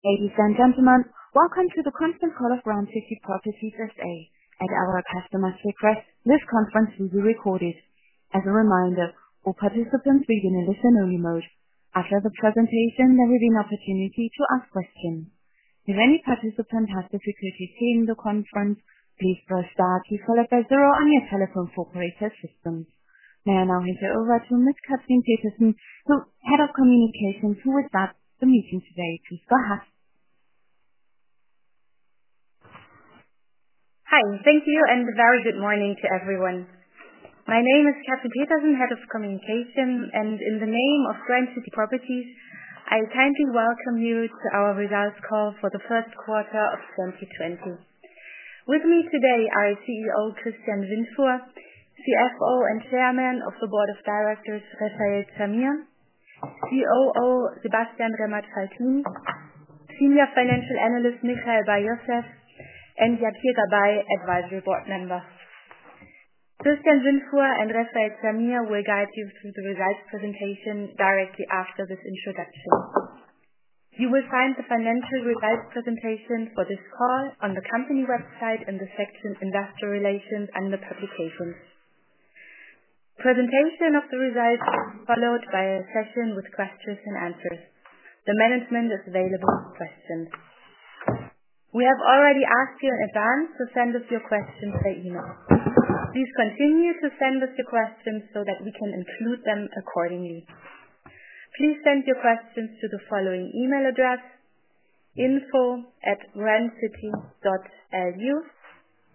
Ladies and gentlemen, welcome to the conference call of Grand City Properties S.A. As our customer service rep, this conference will be recorded. As a reminder, all participants will be in a listen-only mode. After the presentation, there will be an opportunity to ask questions. If any participant has difficulty hearing the conference, please press star 2 followed by zero on your telephone corporate systems. May I now hand it over to Ms. Katrin Petersen, Head of Communications, who will start the meeting today. Please go ahead. Hi. Thank you, and a very good morning to everyone. My name is Katrin Petersen, Head of Communication. In the name of Grand City Properties, I kindly welcome you to our results call for the first quarter of 2020. With me today are CEO Christian Windfuhr, CFO and Chairman of the Board of Directors, Refael Zamir, COO Sebastian Remmert-Faltin, Senior Financial Analyst Michael Bar-Yosef, and Yakir Gabay, Advisory Board Member. Christian Windfuhr and Refael Zamir will guide you through the results presentation directly after this introduction. You will find the financial results presentation for this call on the company website in the section Investor Relations and the publications. Presentation of the results will be followed by a session with questions and answers. The management is available for questions. We have already asked you in advance to send us your questions by email. Please continue to send us your questions so that we can include them accordingly. Please send your questions to the following email address, info@grandcity.lu.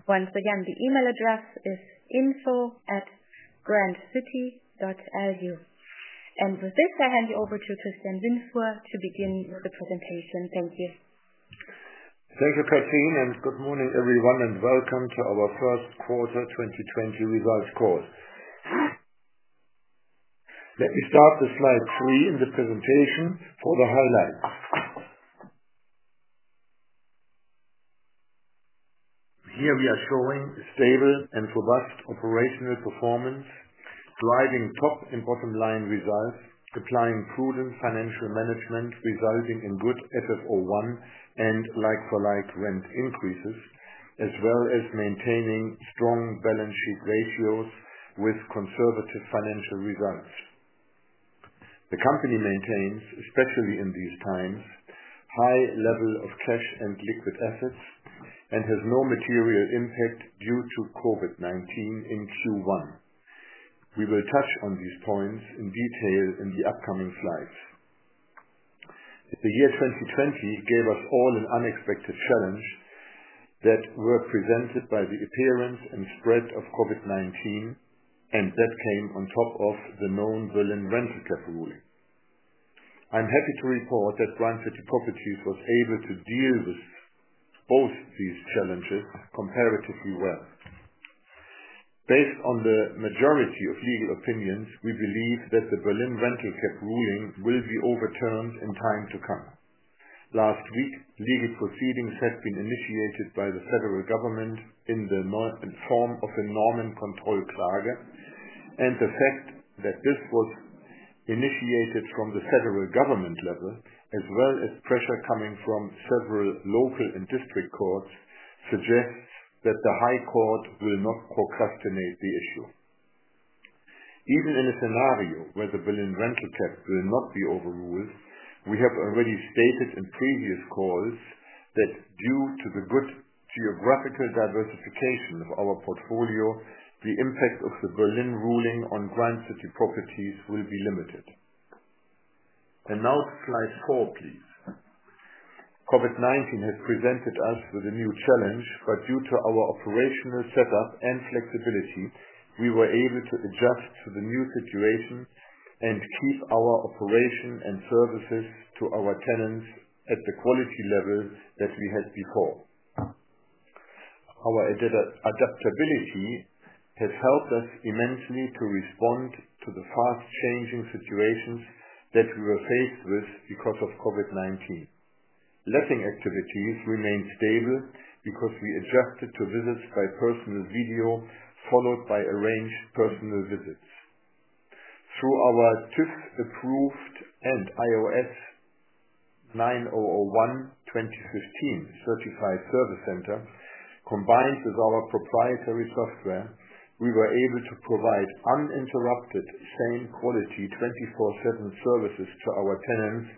Once again, the email address is info@grandcity.lu. With this, I hand you over to Christian Windfuhr to begin with the presentation. Thank you. Thank you, Katrin, good morning, everyone, and welcome to our first quarter 2020 results call. Let me start with slide three in the presentation for the highlights. Here we are showing stable and robust operational performance, driving top and bottom line results, supplying prudent financial management, resulting in good FFO I and like-for-like rent increases, as well as maintaining strong balance sheet ratios with conservative financial results. The company maintains, especially in these times, high level of cash and liquid assets and has no material impact due to COVID-19 in Q1. We will touch on these points in detail in the upcoming slides. The year 2020 gave us all an unexpected challenge that were presented by the appearance and spread of COVID-19, and that came on top of the known Berlin rental cap ruling. I'm happy to report that Grand City Properties was able to deal with both these challenges comparatively well. Based on the majority of legal opinions, we believe that the Berlin rental cap ruling will be overturned in time to come. Last week, legal proceedings have been initiated by the federal government in the form of a Normenkontrolle claim, and the fact that this was initiated from the federal government level, as well as pressure coming from several local and district courts, suggests that the High Court will not procrastinate the issue. Even in a scenario where the Berlin rental cap will not be overruled, we have already stated in previous calls that due to the good geographical diversification of our portfolio, the impact of the Berlin ruling on Grand City Properties will be limited. Now slide four, please. COVID-19 has presented us with a new challenge, but due to our operational setup and flexibility, we were able to adjust to the new situation and keep our operation and services to our tenants at the quality level that we had before. Our adaptability has helped us immensely to respond to the fast changing situations that we were faced with because of COVID-19. Letting activities remain stable because we adjusted to visits by personal video, followed by arranged personal visits. Through our TÜV approved and ISO 9001:2015 certified service center, combined with our proprietary software, we were able to provide uninterrupted, same quality, 24/7 services to our tenants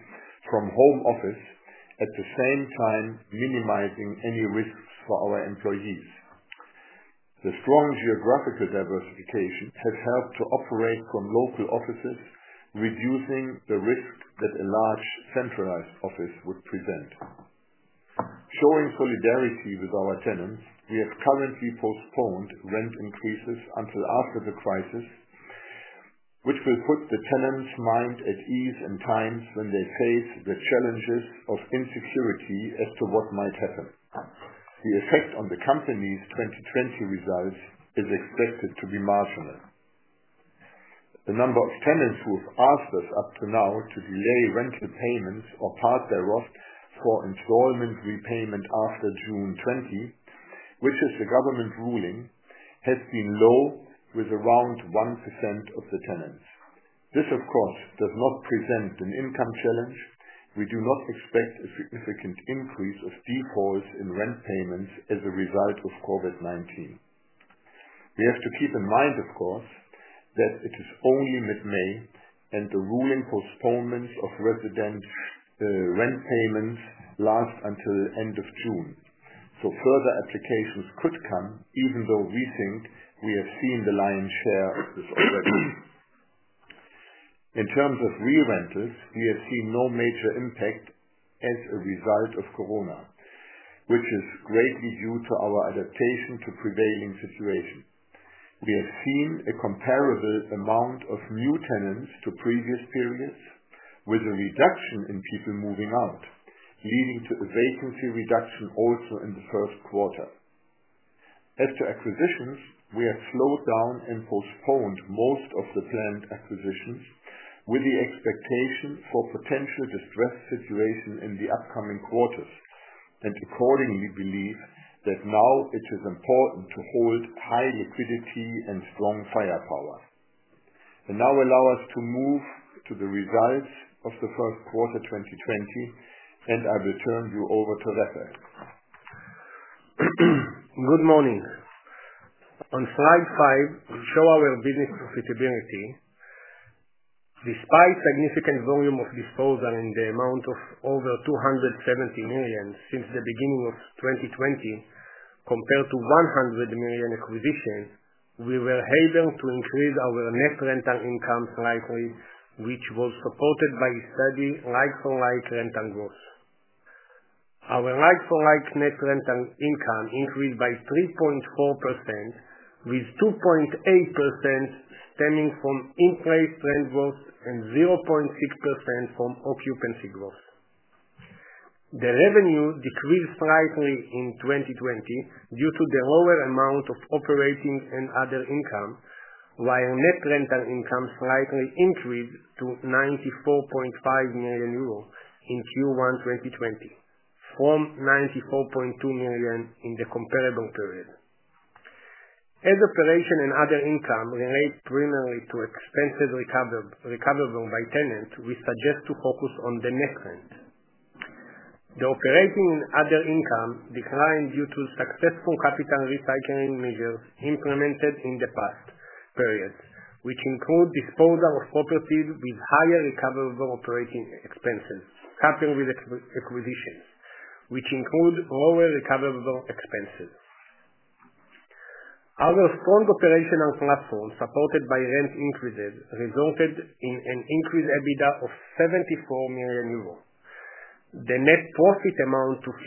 from home office, at the same time minimizing any risks for our employees. The strong geographical diversification has helped to operate from local offices, reducing the risk that a large centralized office would present. Showing solidarity with our tenants, we have currently postponed rent increases until after the crisis, which will put the tenants' mind at ease in times when they face the challenges of insecurity as to what might happen. The effect on the company's 2020 results is expected to be marginal. The number of tenants who have asked us up to now to delay rental payments or part thereof for installment repayment after June 20, which is the government ruling, has been low with around 1% of the tenants. This, of course, does not present an income challenge. We do not expect a significant increase of defaults in rent payments as a result of COVID-19. We have to keep in mind, of course, that it is only mid-May and the ruling postponements of resident rent payments last until end of June. Further applications could come, even though we think we have seen the lion's share of this already. In terms of re-rentals, we have seen no major impact as a result of corona, which is greatly due to our adaptation to prevailing situation. We have seen a comparable amount of new tenants to previous periods, with a reduction in people moving out, leading to a vacancy reduction also in the first quarter. As to acquisitions, we have slowed down and postponed most of the planned acquisitions with the expectation for potential distressed situation in the upcoming quarters, and accordingly believe that now it is important to hold high liquidity and strong firepower. Now allow us to move to the results of the first quarter 2020, and I will turn you over to Refael. Good morning. On slide five, we show our business profitability. Despite significant volume of disposal in the amount of over 270 million since the beginning of 2020, compared to 100 million acquisition, we were able to increase our net rental income slightly, which was supported by steady like-for-like rental growth. Our like-for-like net rental income increased by 3.4%, with 2.8% stemming from in place rent growth and 0.6% from occupancy growth. The revenue decreased slightly in 2020 due to the lower amount of operating and other income, while net rental income slightly increased to 94.5 million euros in Q1 2020 from 94.2 million in the comparable period. As operating and other income relate primarily to expenses recoverable by tenants, we suggest to focus on the net rent. The operating and other income declined due to successful capital recycling measures implemented in the past periods, which include disposal of properties with higher recoverable operating expenses, coupled with acquisitions, which include lower recoverable expenses. Our strong operational platform, supported by rent increases, resulted in an increased EBITDA of EUR 74 million. The net profit amount to 56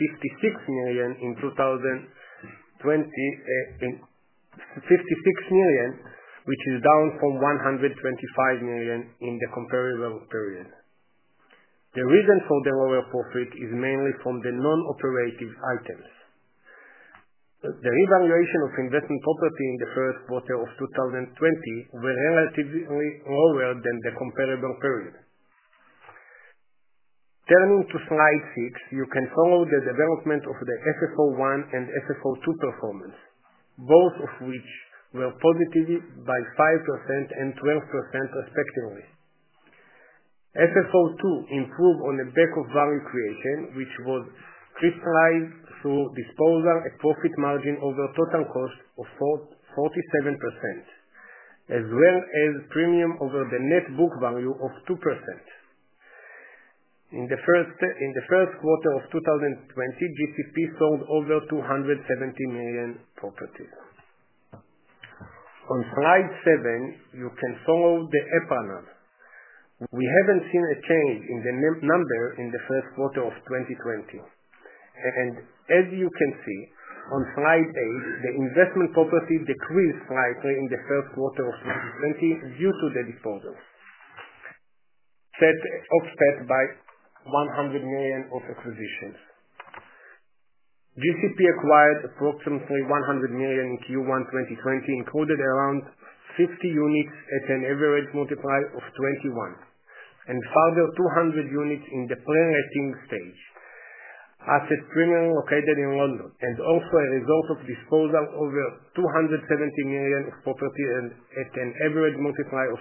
million, which is down from 125 million in the comparable period. The reason for the lower profit is mainly from the non-operative items. The revaluation of investment property in the first quarter of 2020 were relatively lower than the comparable period. Turning to slide six, you can follow the development of the FFO I and FFO II performance, both of which were positive by 5% and 12% respectively. FFO II improved on the back of value creation, which was crystallized through disposal at profit margin over total cost of 47%, as well as premium over the net book value of 2%. In the first quarter of 2020, GCP sold over 270 million properties. On slide seven, you can follow the EPRA NAV. We haven't seen a change in the number in the first quarter of 2020. As you can see on slide eight, the investment property decreased slightly in the first quarter of 2020 due to the disposals, offset by 100 million of acquisitions. GCP acquired approximately 100 million in Q1 2020, including around 60 units at an average multiple of 21, and further 200 units in the pre-letting stage. Assets primarily located in London and also a result of disposal over 270 million of property at an average multiple of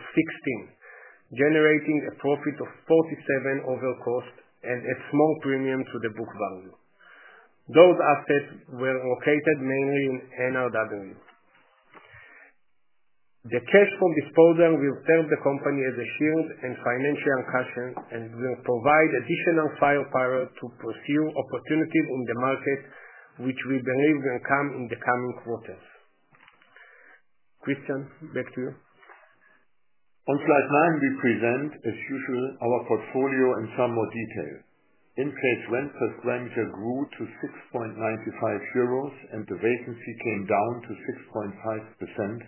16, generating a profit of 47% over cost and a small premium to the book value. Those assets were located mainly in NRW. The cash from disposal will serve the company as a shield and financial cushion and will provide additional firepower to pursue opportunities on the market, which we believe will come in the coming quarters. Christian, back to you. On slide nine, we present, as usual, our portfolio in some more detail. In-place rent per square meter grew to 6.95 euros, and the vacancy came down to 6.5%,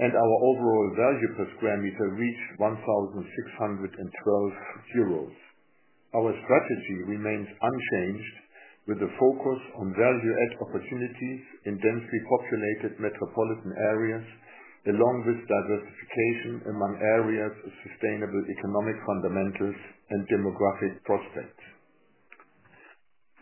and our overall value per square meter reached 1,612 euros. Our strategy remains unchanged, with a focus on value add opportunity in densely populated metropolitan areas, along with diversification among areas of sustainable economic fundamentals and demographic prospects.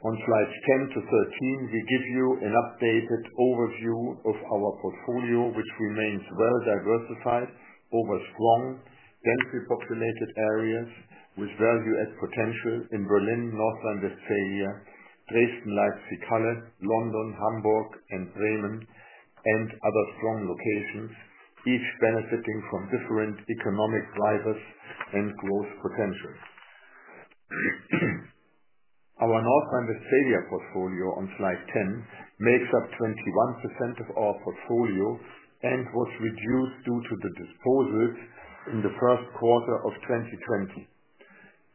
On slides 10 to 13, we give you an updated overview of our portfolio, which remains well-diversified over strong densely populated areas with value add potential in Berlin, North Rhine-Westphalia, Dresden, Leipzig, Halle, London, Hamburg, and Bremen, and other strong locations, each benefiting from different economic drivers and growth potentials. Our North Rhine-Westphalia portfolio on Slide 10 makes up 21% of our portfolio and was reduced due to the disposals in the first quarter of 2020.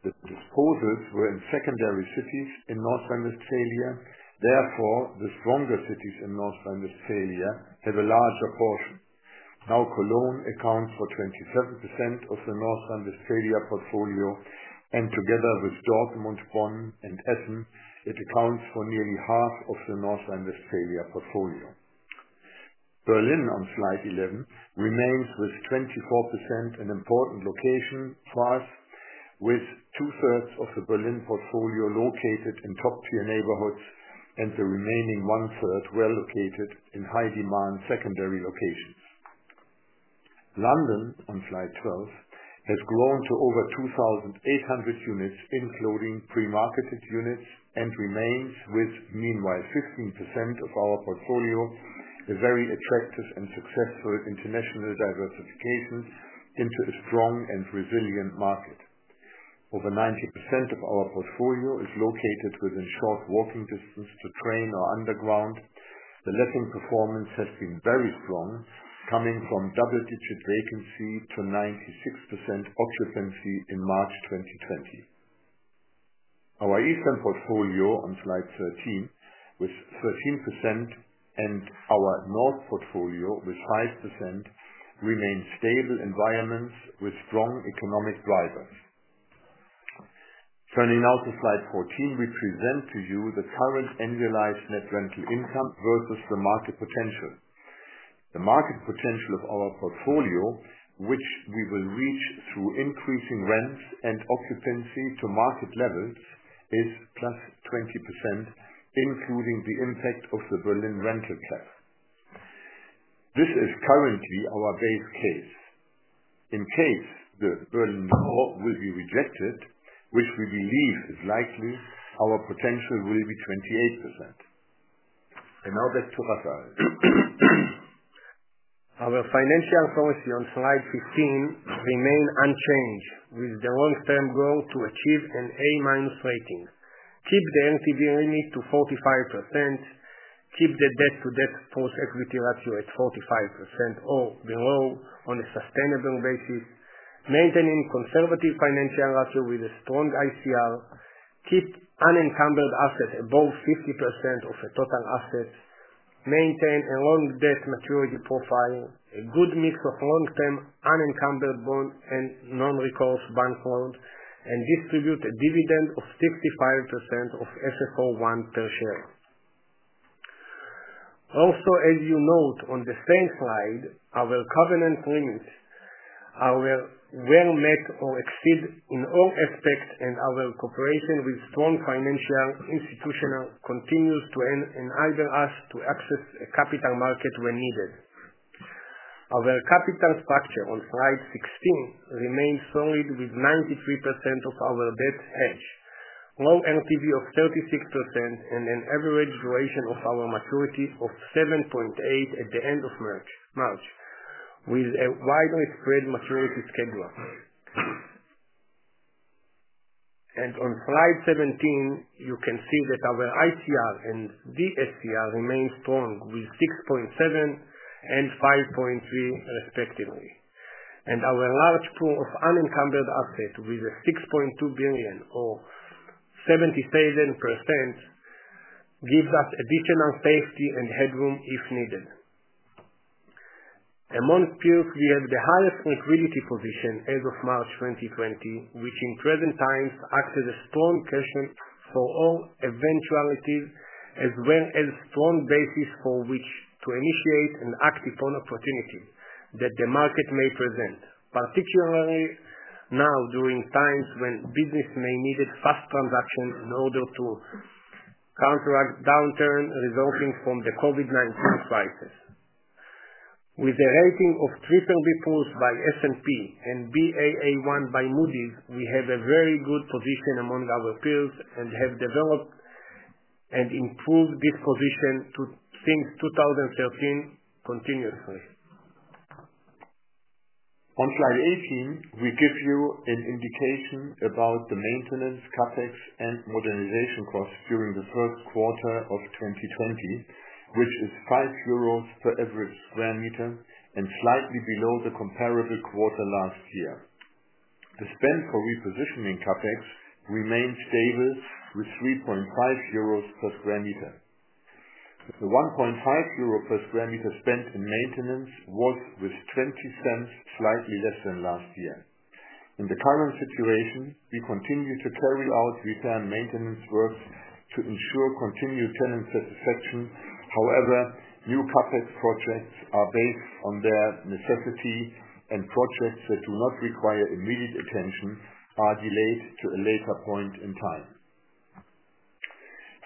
The disposals were in secondary cities in North Rhine-Westphalia. Therefore, the stronger cities in North Rhine-Westphalia have a larger portion. Now Cologne accounts for 27% of the North Rhine-Westphalia portfolio, and together with Dortmund, Bonn, and Essen, it accounts for nearly half of the North Rhine-Westphalia portfolio. Berlin on Slide 11 remains with 24% an important location for us, with two-thirds of the Berlin portfolio located in top-tier neighborhoods, and the remaining one-third well-located in high-demand secondary locations. London on Slide 12 has grown to over 2,800 units, including pre-marketed units, and remains with meanwhile 15% of our portfolio, a very attractive and successful international diversification into a strong and resilient market. Over 90% of our portfolio is located within short walking distance to train or underground. The letting performance has been very strong, coming from double-digit vacancy to 96% occupancy in March 2020. Our eastern portfolio on Slide 13 with 13% and our north portfolio with 5% remain stable environments with strong economic drivers. Turning now to Slide 14, we present to you the current annualized net rental income versus the market potential. The market potential of our portfolio, which we will reach through increasing rents and occupancy to market levels, is plus 20%, including the impact of the Berlin rental cap. This is currently our base case. In case the Berlin law will be rejected, which we believe is likely, our potential will be 28%. Now back to Refael. Our financial policy on Slide 15 remain unchanged, with the long-term goal to achieve an A- rating. Keep the LTV limit to 45%, keep the debt-to-debt plus equity ratio at 45% or below on a sustainable basis. Maintaining conservative financial ratio with a strong ICR. Keep unencumbered assets above 50% of the total assets. Maintain a long debt maturity profile. A good mix of long-term unencumbered bond and non-recourse bank loans. Distribute a dividend of 55% of FFO I per share. Also, as you note on the same slide, our covenant limits are well met or exceed in all aspects, and our cooperation with strong financial institutions continues to enable us to access the capital market when needed. Our capital structure on Slide 16 remains solid, with 93% of our debt hedged. Low LTV of 36% and an average duration of our maturity of 7.8 at the end of March, with a widely spread maturity schedule. On Slide 17, you can see that our ICR and DSCR remain strong with 6.7 and 5.3 respectively. Our large pool of unencumbered assets with a 6.2 billion or 77% gives us additional safety and headroom if needed. Among peers, we have the highest liquidity position as of March 2020, which in present times acts as a strong cushion for all eventualities, as well as strong basis for which to initiate and act upon opportunities that the market may present. Particularly now during times when business may need a fast transaction in order to counteract downturn resulting from the COVID-19 crisis. With a rating of BBB+ by S&P and Baa1 by Moody's, we have a very good position among our peers and have developed and improved this position since 2013 continuously. On Slide 18, we give you an indication about the maintenance, CapEx, and modernization costs during the first quarter of 2020, which is 5 euros per average square meter and slightly below the comparable quarter last year. The spend for repositioning CapEx remains stable with 3.5 euros per square meter. The 1.5 euro per square meter spent in maintenance was with 0.20 slightly less than last year. In the current situation, we continue to carry out return maintenance works to ensure continued tenant satisfaction. However, new CapEx projects are based on their necessity, and projects that do not require immediate attention are delayed to a later point in time.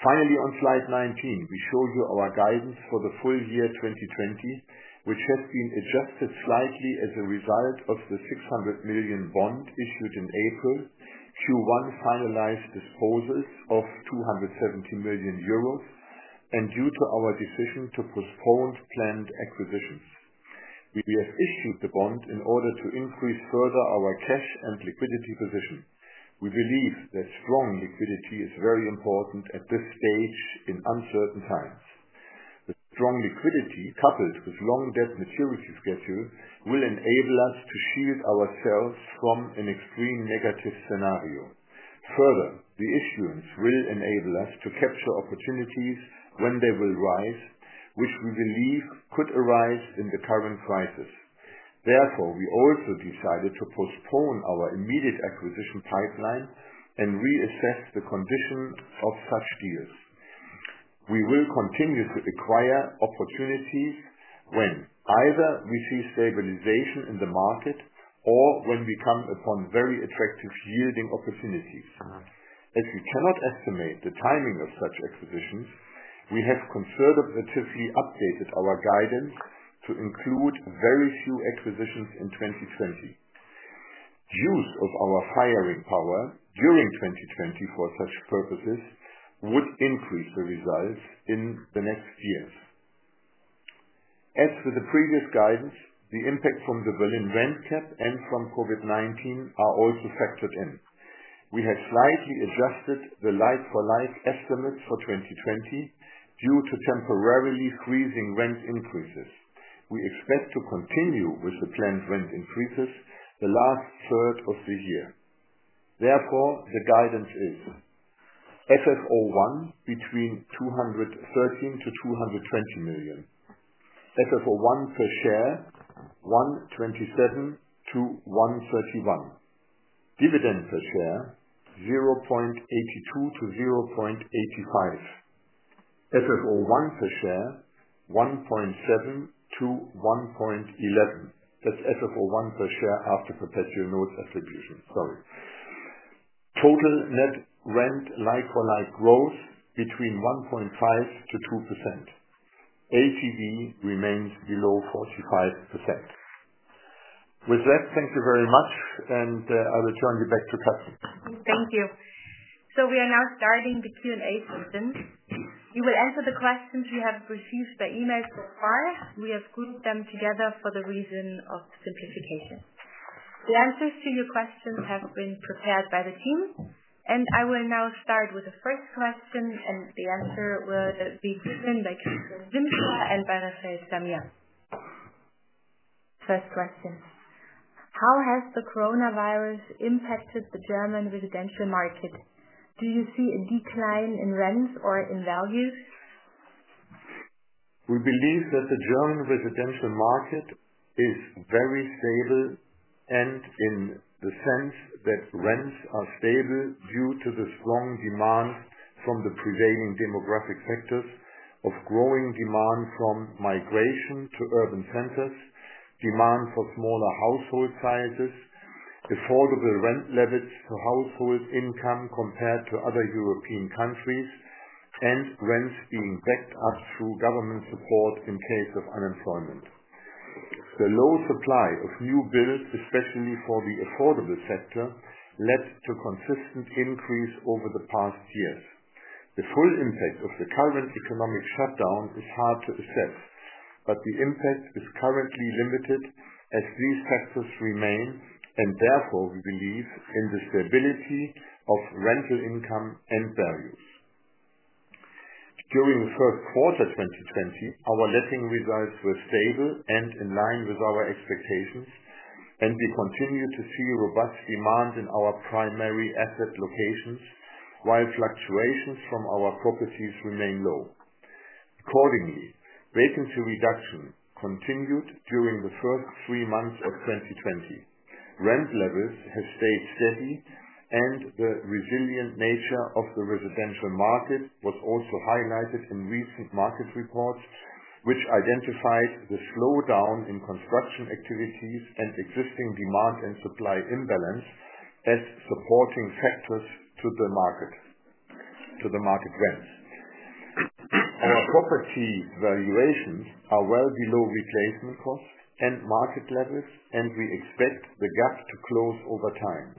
Finally, on Slide 19, we show you our guidance for the full year 2020, which has been adjusted slightly as a result of the 600 million bond issued in April, Q1 finalized disposals of 270 million euros, and due to our decision to postpone planned acquisitions. We have issued the bond in order to increase further our cash and liquidity position. We believe that strong liquidity is very important at this stage in uncertain times. The strong liquidity, coupled with long debt maturity schedule, will enable us to shield ourselves from an extreme negative scenario. Further, the issuance will enable us to capture opportunities when they will rise, which we believe could arise in the current crisis. We also decided to postpone our immediate acquisition pipeline and reassess the condition of such deals. We will continue to acquire opportunities when either we see stabilization in the market or when we come upon very attractive yielding opportunities. As we cannot estimate the timing of such acquisitions, we have conservatively updated our guidance to include very few acquisitions in 2020. Use of our hiring power during 2020 for such purposes would increase the results in the next years. As to the previous guidance, the impact from the Berlin rental cap and from COVID-19 are also factored in. We have slightly adjusted the like-for-like estimate for 2020 due to temporarily freezing rent increases. We expect to continue with the planned rent increases the last third of the year. Therefore, the guidance is FFO I between 213 million-220 million. FFO I per share, 127-131. Dividend per share, 0.82-0.85. FFO I per share, 1.7-1.11. That's FFO I per share after perpetual note attribution. Sorry. Total net rent like-for-like growth between 1.5%-2%. LTV remains below 45%. With that, thank you very much, and I will turn you back to Katrin. Thank you. We are now starting the Q&A session. You will answer the questions you have received by email so far. We have grouped them together for the reason of simplification. The answers to your questions have been prepared by the team, and I will now start with the first question, and the answer will be given by Christian Windfuhr and by Refael Zamir. First question. How has the coronavirus impacted the German residential market? Do you see a decline in rents or in values? We believe that the German residential market is very stable, and in the sense that rents are stable due to the strong demand from the prevailing demographic factors of growing demand from migration to urban centers, demand for smaller household sizes, affordable rent levels to household income compared to other European countries, and rents being backed up through government support in case of unemployment. The low supply of new builds, especially for the affordable sector, led to consistent increase over the past years. The full impact of the current economic shutdown is hard to assess, but the impact is currently limited as these factors remain, and therefore, we believe in the stability of rental income and values. During the first quarter 2020, our letting results were stable and in line with our expectations, and we continue to see robust demand in our primary asset locations, while fluctuations from our properties remain low. Accordingly, vacancy reduction continued during the first three months of 2020. Rent levels have stayed steady, and the resilient nature of the residential market was also highlighted in recent market reports, which identified the slowdown in construction activities and existing demand and supply imbalance as supporting factors to the market rents. Our property valuations are well below replacement costs and market levels, and we expect the gap to close over time.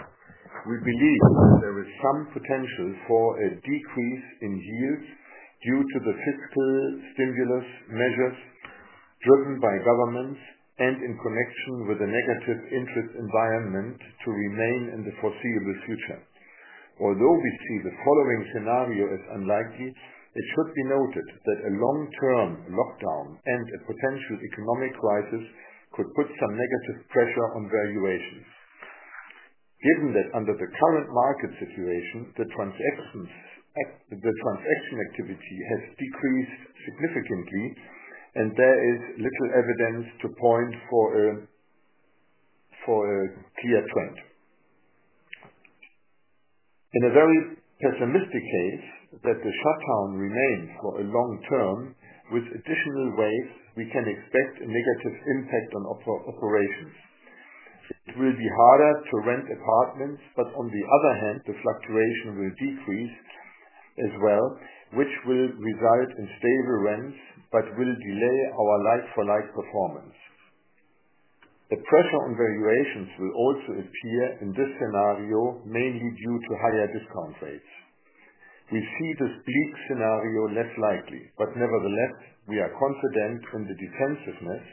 We believe that there is some potential for a decrease in yields due to the fiscal stimulus measures driven by governments and in connection with the negative interest environment to remain in the foreseeable future. Although we see the following scenario as unlikely, it should be noted that a long-term lockdown and a potential economic crisis could put some negative pressure on valuations. Given that under the current market situation, the transaction activity has decreased significantly, and there is little evidence to point for a clear trend. In a very pessimistic case that the shutdown remains for a long term with additional waves, we can expect a negative impact on operations. It will be harder to rent apartments, but on the other hand, the fluctuation will decrease as well, which will result in stable rents, but will delay our like for like performance. The pressure on valuations will also appear in this scenario, mainly due to higher discount rates. We see this bleak scenario less likely, but nevertheless, we are confident in the defensiveness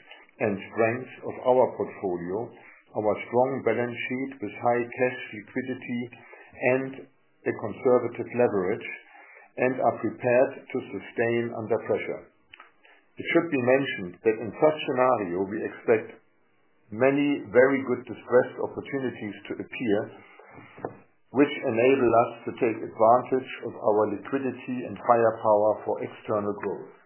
and strength of our portfolio, our strong balance sheet with high cash liquidity and a conservative leverage, and are prepared to sustain under pressure. It should be mentioned that in such scenario, we expect many very good distressed opportunities to appear, which enable us to take advantage of our liquidity and firepower for external growth.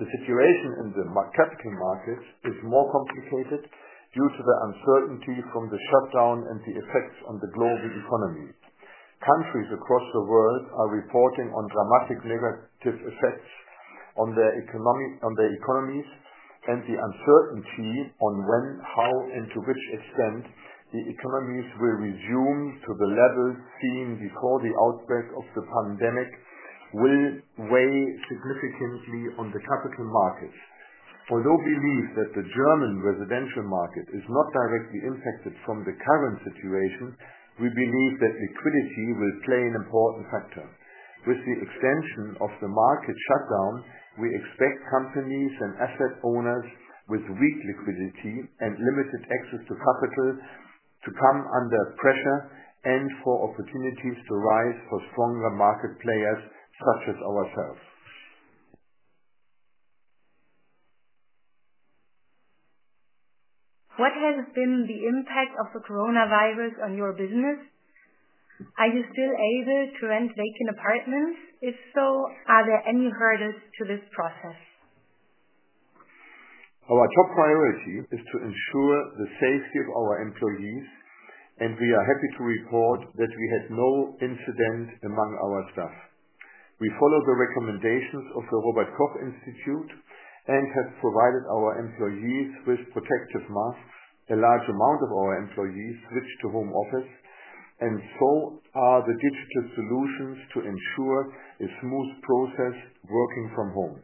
The situation in the capital markets is more complicated due to the uncertainty from the shutdown and the effects on the global economy. Countries across the world are reporting on dramatic negative effects on their economies, and the uncertainty on when, how, and to which extent the economies will resume to the levels seen before the outbreak of the pandemic will weigh significantly on the capital markets. Although we believe that the German residential market is not directly impacted from the current situation, we believe that liquidity will play an important factor. With the extension of the market shutdown, we expect companies and asset owners with weak liquidity and limited access to capital to come under pressure, and for opportunities to rise for stronger market players such as ourselves. What has been the impact of the coronavirus on your business? Are you still able to rent vacant apartments? If so, are there any hurdles to this process? Our top priority is to ensure the safety of our employees. We are happy to report that we had no incident among our staff. We follow the recommendations of the Robert Koch Institute and have provided our employees with protective masks. A large amount of our employees switched to home office. So are the digital solutions to ensure a smooth process working from home.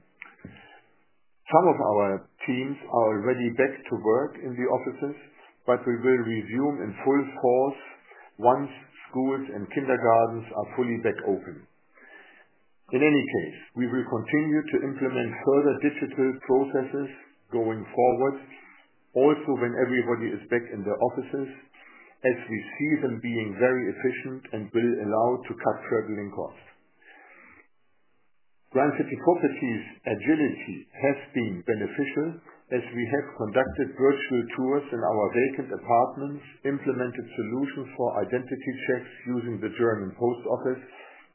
Some of our teams are already back to work in the offices, but we will resume in full force once schools and kindergartens are fully back open. In any case, we will continue to implement further digital processes going forward, also when everybody is back in their offices, as we see them being very efficient and will allow to cut traveling costs. Grand City Properties' agility has been beneficial as we have conducted virtual tours in our vacant apartments, implemented solutions for identity checks using the Deutsche Post,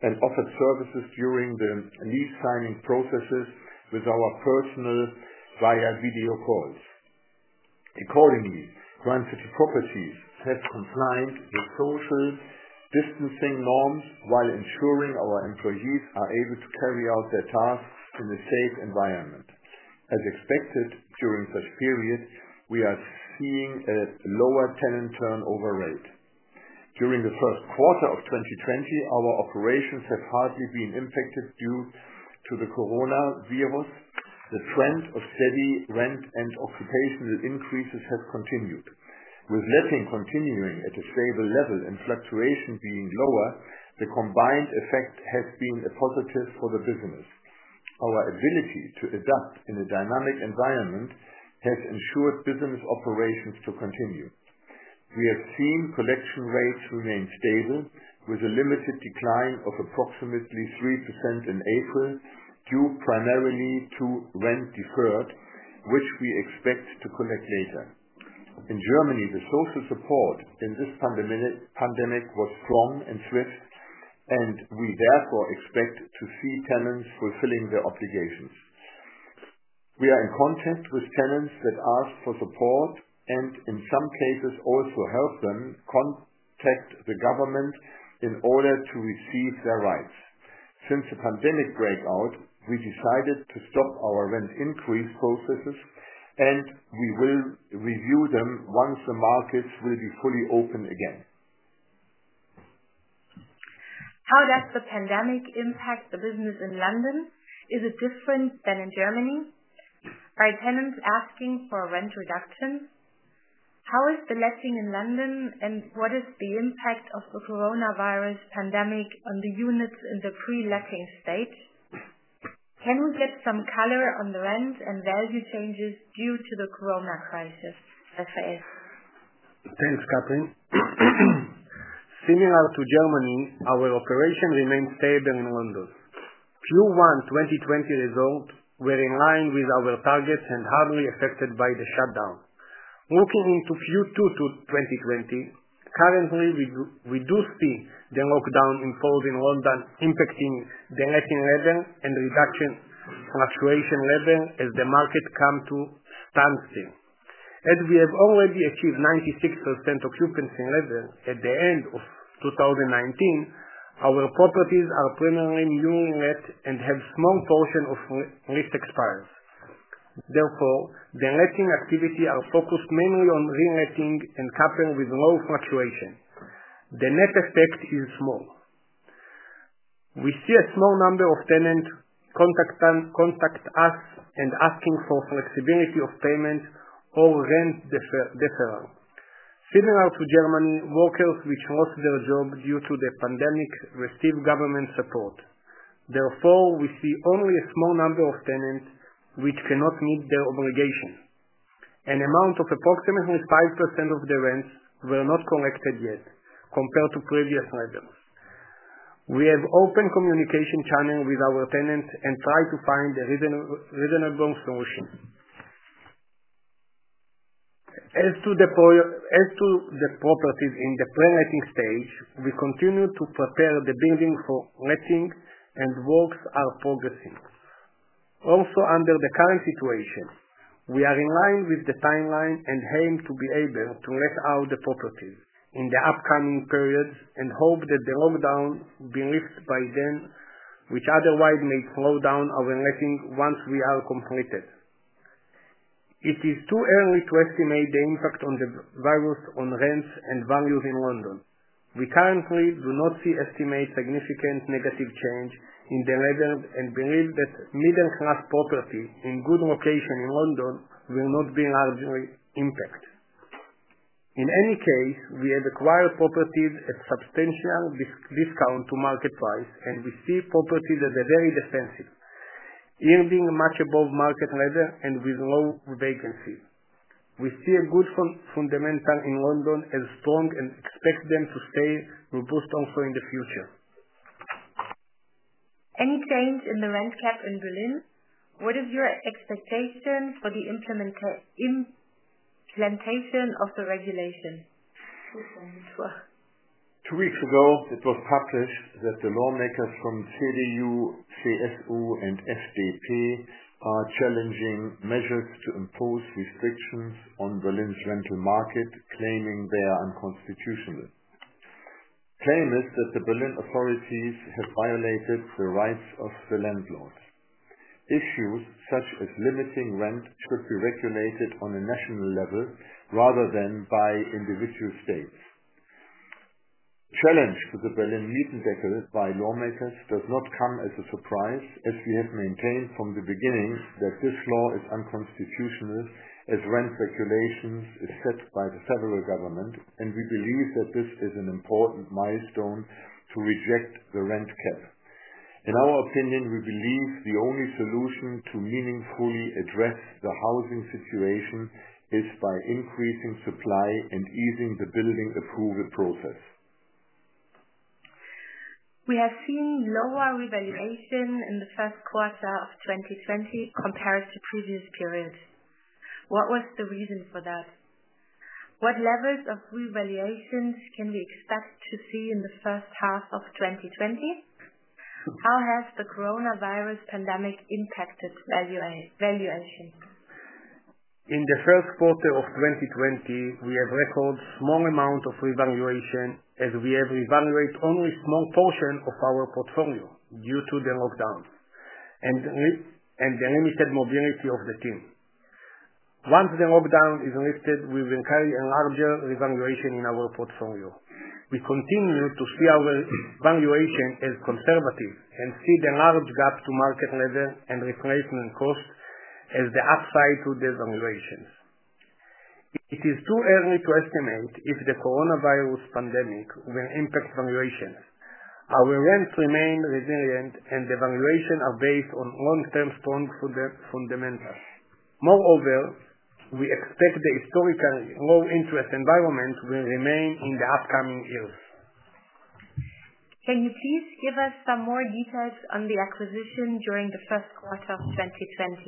and offered services during the lease signing processes with our personal via video calls. Accordingly, Grand City Properties has complied with social distancing norms while ensuring our employees are able to carry out their tasks in a safe environment. As expected, during such periods, we are seeing a lower tenant turnover rate. During the first quarter of 2020, our operations have hardly been impacted due to the coronavirus. The trend of steady rent and occupational increases have continued. With letting continuing at a stable level and fluctuation being lower, the combined effect has been a positive for the business. Our ability to adapt in a dynamic environment has ensured business operations to continue. We have seen collection rates remain stable with a limited decline of approximately 3% in April, due primarily to rent deferred, which we expect to collect later. In Germany, the social support in this pandemic was strong and swift. We therefore expect to see tenants fulfilling their obligations. We are in contact with tenants that ask for support. In some cases, also help them contact the government in order to receive their rights. Since the pandemic breakout, we decided to stop our rent increase processes. We will review them once the markets will be fully open again. How does the pandemic impact the business in London? Is it different than in Germany? Are tenants asking for rent reduction? How is the letting in London, and what is the impact of the coronavirus pandemic on the units in the pre-letting state? Can we get some color on the rent and value changes due to the corona crisis, Refael? Thanks, Katrin. Similar to Germany, our operation remains stable in London. Q1 2020 results were in line with our targets and hardly affected by the shutdown. Moving into Q2 2020, currently, we do see the lockdown imposed in London impacting the letting level and reduction fluctuation level as the market come to standstill. As we have already achieved 96% occupancy level at the end of 2019. Our properties are primarily newly let and have small portion of lease expires. Therefore, the letting activity are focused mainly on re-letting and coupled with low fluctuation. The net effect is small. We see a small number of tenants contact us and asking for flexibility of payment or rent deferral. Similar to Germany, workers which lost their job due to the pandemic receive government support. Therefore, we see only a small number of tenants which cannot meet their obligation. An amount of approximately 5% of the rents were not collected yet compared to previous levels. We have open communication channel with our tenants and try to find a reasonable solution. As to the properties in the pre-letting stage, we continue to prepare the building for letting and works are progressing. Also under the current situation, we are in line with the timeline and aim to be able to let out the properties in the upcoming periods and hope that the lockdown be lifted by then, which otherwise may slow down our letting once we are completed. It is too early to estimate the impact on the virus on rents and values in London. We currently do not see estimate significant negative change in the levels and believe that middle class property in good location in London will not be largely impact. In any case, we have acquired properties at substantial discount to market price, and we see properties as a very defensive, yielding much above market level and with low vacancy. We see a good fundamental in London as strong and expect them to stay robust also in the future. Any change in the Berlin rental cap? What is your expectation for the implementation of the regulation? Two weeks ago, it was published that the lawmakers from CDU, CSU, and SPD are challenging measures to impose restrictions on Berlin's rental market, claiming they are unconstitutional. Claim is that the Berlin authorities have violated the rights of the landlords. Issues such as limiting rent should be regulated on a national level rather than by individual states. Challenge to the Berlin Mietendeckel by lawmakers does not come as a surprise, as we have maintained from the beginning that this law is unconstitutional as rent regulations is set by the federal government. We believe that this is an important milestone to reject the rent cap. In our opinion, we believe the only solution to meaningfully address the housing situation is by increasing supply and easing the building approval process. We have seen lower revaluation in the first quarter of 2020 compared to previous periods. What was the reason for that? What levels of revaluations can we expect to see in the first half of 2020? How has the coronavirus pandemic impacted valuation? In the first quarter of 2020, we have record small amount of revaluation as we have revaluate only small portion of our portfolio due to the lockdown and the limited mobility of the team. Once the lockdown is lifted, we will carry a larger revaluation in our portfolio. We continue to see our valuation as conservative and see the large gap to market level and replacement cost as the upside to the valuations. It is too early to estimate if the coronavirus pandemic will impact valuations. Our rents remain resilient, and the valuation are based on long-term strong fundamentals. Moreover, we expect the historically low interest environment will remain in the upcoming years. Can you please give us some more details on the acquisition during the first quarter of 2020?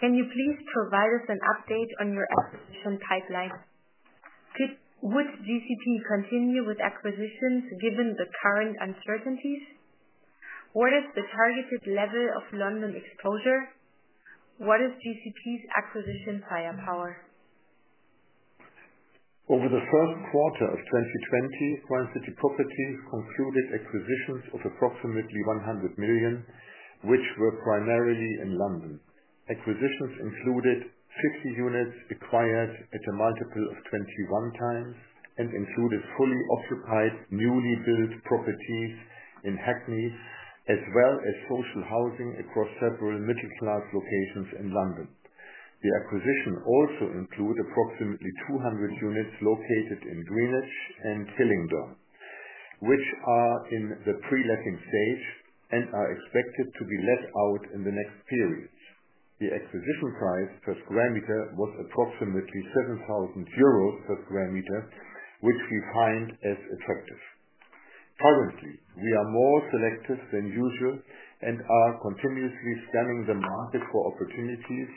Can you please provide us an update on your acquisition pipeline? Would GCP continue with acquisitions given the current uncertainties? What is the targeted level of London exposure? What is GCP's acquisition firepower? Over the first quarter of 2020, Grand City Properties concluded acquisitions of approximately 100 million, which were primarily in London. Acquisitions included 60 units acquired at a multiple of 21 times and included fully occupied, newly built properties in Hackney, as well as social housing across several middle class locations in London. The acquisition also include approximately 200 units located in Greenwich and Hillingdon, which are in the pre-letting stage and are expected to be let out in the next series. The acquisition price per square meter was approximately 7,000 euros per square meter, which we find as attractive. Currently, we are more selective than usual and are continuously scanning the market for opportunities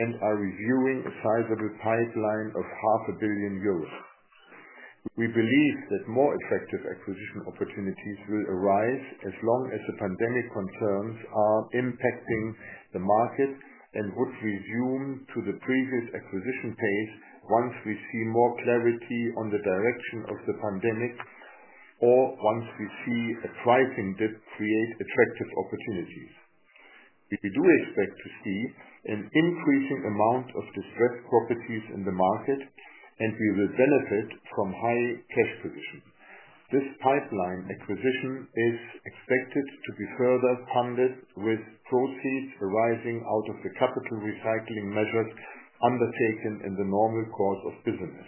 and are reviewing a sizable pipeline of half a billion EUR. We believe that more effective acquisition opportunities will arise as long as the pandemic concerns are impacting the market and would resume to the previous acquisition pace once we see more clarity on the direction of the pandemic, or once we see a pricing that create attractive opportunities. We do expect to see an increasing amount of distressed properties in the market. We will benefit from high cash position. This pipeline acquisition is expected to be further funded with proceeds arising out of the capital recycling measures undertaken in the normal course of business.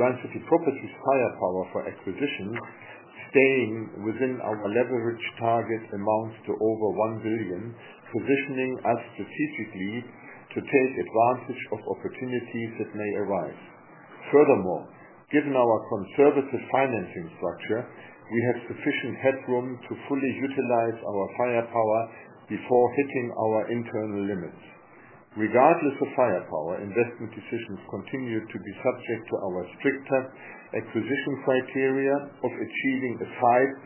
Grand City Properties' firepower for acquisition, staying within our leverage target, amounts to over 1 billion, positioning us strategically to take advantage of opportunities that may arise. Given our conservative financing structure, we have sufficient headroom to fully utilize our firepower before hitting our internal limits. Regardless of firepower, investment decisions continue to be subject to our stricter acquisition criteria of achieving a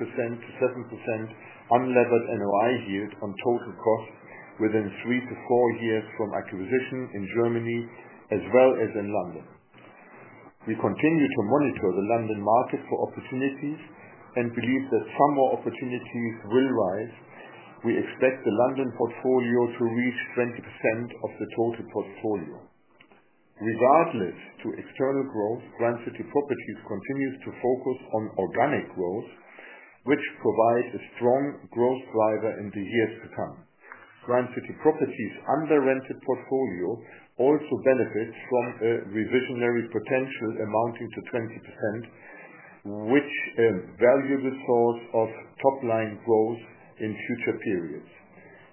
5%-7% unlevered NOI yield on total costs within 3-4 years from acquisition in Germany as well as in London. We continue to monitor the London market for opportunities and believe that some more opportunities will rise. We expect the London portfolio to reach 20% of the total portfolio. Regardless to external growth, Grand City Properties continues to focus on organic growth, which provides a strong growth driver in the years to come. Grand City Properties' under-rented portfolio also benefits from a reversionary potential amounting to 20%, which value the source of top-line growth in future periods.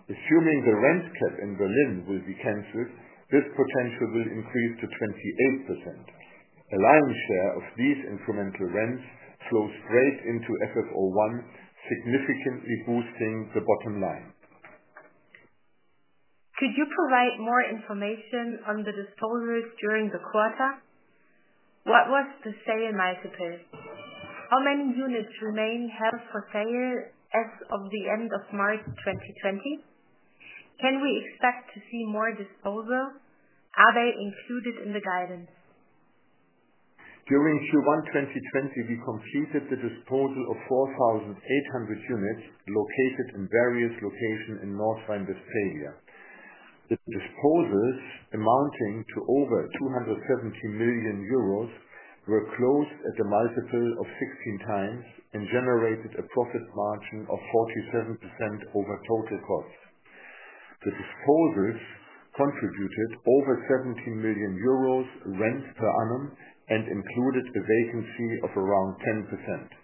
Assuming the Berlin rental cap will be canceled, this potential will increase to 28%. A lion's share of these incremental rents flow straight into FFO I, significantly boosting the bottom line. Could you provide more information on the disposals during the quarter? What was the sale multiple? How many units remain held for sale as of the end of March 2020? Can we expect to see more disposals? Are they included in the guidance? During Q1 2020, we completed the disposal of 4,800 units located in various locations in North Rhine-Westphalia. The disposals amounting to over 270 million euros, were closed at a multiple of 16 times and generated a profit margin of 47% over total costs. The disposals contributed over 17 million euros rents per annum and included a vacancy of around 10%.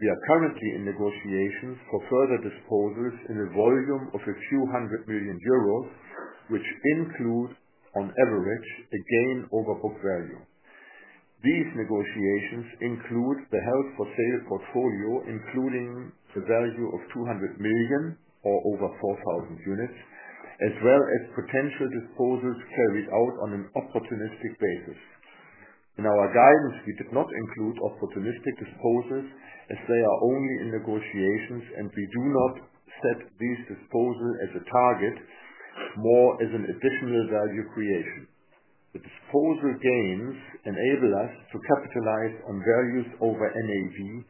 We are currently in negotiations for further disposals in a volume of a few hundred million EUR, which includes, on average, a gain over book value. These negotiations include the held for sale portfolio, including a value of 200 million or over 4,000 units, as well as potential disposals carried out on an opportunistic basis. In our guidance, we did not include opportunistic disposals as they are only in negotiations, and we do not set these disposals as a target, more as an additional value creation. The disposal gains enable us to capitalize on values over NAV,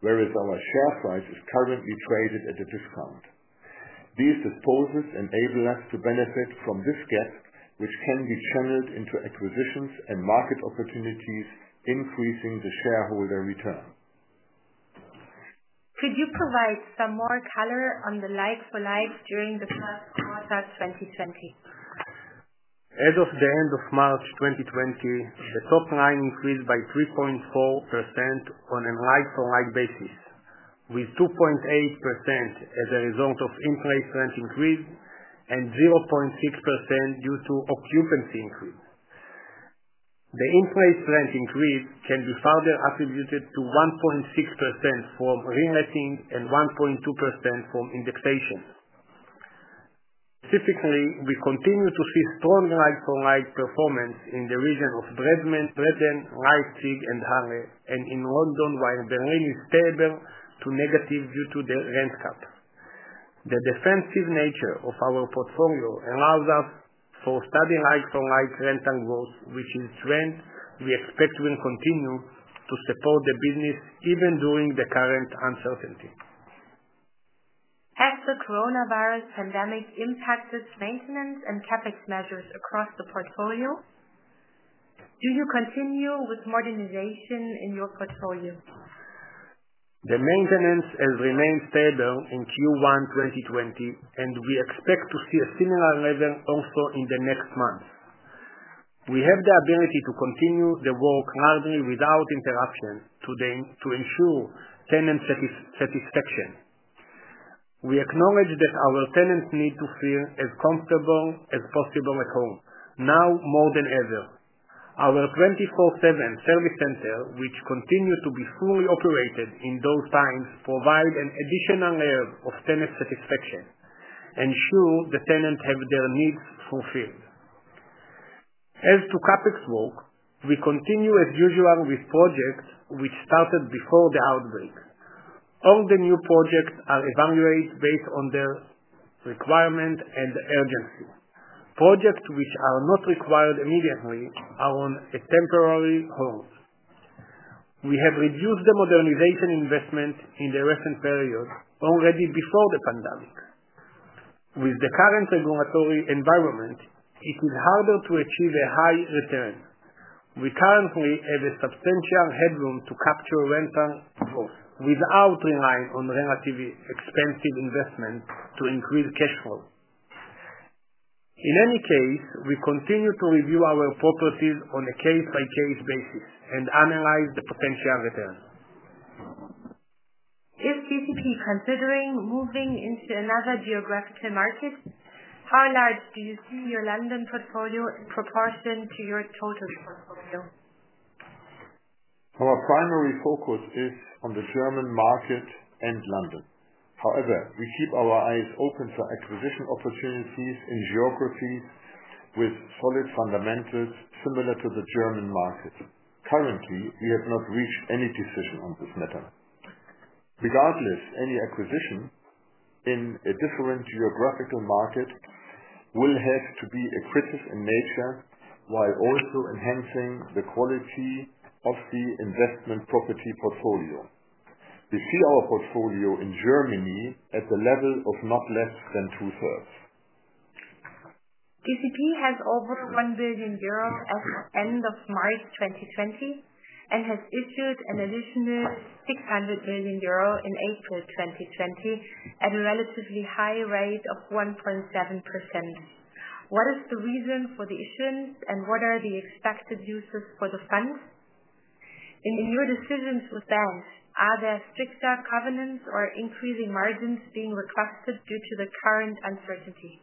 whereas our share price is currently traded at a discount. These disposals enable us to benefit from this gap, which can be channeled into acquisitions and market opportunities, increasing the shareholder return. Could you provide some more color on the like for like during the first quarter of 2020? As of the end of March 2020, the top line increased by 3.4% on a like-for-like basis, with 2.8% as a result of in-place rent increase and 0.6% due to occupancy increase. The in-place rent increase can be further attributed to 1.6% from reletting and 1.2% from indexation. Specifically, we continue to see strong like-for-like performance in the region of Bremen, Dresden, Leipzig, and Halle, and in London, while Berlin is stable to negative due to the rent cut. The defensive nature of our portfolio allows us for steady like-for-like rental growth, which in strength we expect will continue to support the business even during the current uncertainty. Has the coronavirus pandemic impacted maintenance and CapEx measures across the portfolio? Do you continue with modernization in your portfolio? The maintenance has remained stable in Q1 2020. We expect to see a similar level also in the next months. We have the ability to continue the work largely without interruption to ensure tenant satisfaction. We acknowledge that our tenants need to feel as comfortable as possible at home, now more than ever. Our 24/7 service center, which continue to be fully operated in those times, provide an additional layer of tenant satisfaction, ensure the tenants have their needs fulfilled. As to CapEx work, we continue as usual with projects which started before the outbreak. All the new projects are evaluated based on their requirement and urgency. Projects which are not required immediately are on a temporary hold. We have reduced the modernization investment in the recent period, already before the pandemic. With the current regulatory environment, it is harder to achieve a high return. We currently have a substantial headroom to capture rental growth without relying on relatively expensive investment to increase cash flow. In any case, we continue to review our processes on a case-by-case basis and analyze the potential return. Is GCP considering moving into another geographical market? How large do you see your London portfolio in proportion to your total portfolio? Our primary focus is on the German market and London. We keep our eyes open for acquisition opportunities in geography with solid fundamentals similar to the German market. Currently, we have not reached any decision on this matter. Any acquisition in a different geographical market will have to be accretive in nature, while also enhancing the quality of the investment property portfolio. We see our portfolio in Germany at a level of not less than two-thirds. GCP has over 1 billion euros at end of March 2020 and has issued an additional 600 million euros in April 2020 at a relatively high rate of 1.7%. What is the reason for the issuance, and what are the expected uses for the funds? In your decisions with banks, are there stricter covenants or increasing margins being requested due to the current uncertainty?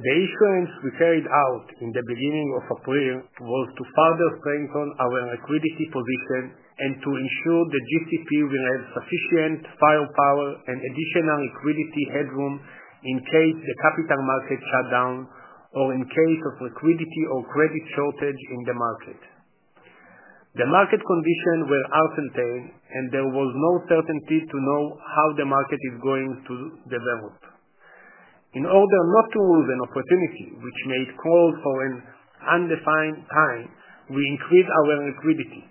The issuance we carried out in the beginning of April was to further strengthen our liquidity position and to ensure that GCP will have sufficient firepower and additional liquidity headroom in case the capital markets shut down or in case of liquidity or credit shortage in the market. The market conditions were uncertain, and there was no certainty to know how the market is going to develop. In order not to lose an opportunity, which may call for an undefined time, we increased our liquidity.